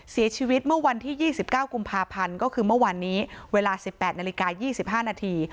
เสียชีวิตเมื่อวันที่๒๙กุมภาพันธ์ก็คือเมื่อวานนี้เวลา๑๘นาฬิกา๒๕นาที